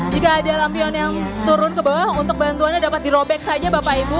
jika ada lampion yang turun ke bawah untuk bantuannya dapat dirobek saja bapak ibu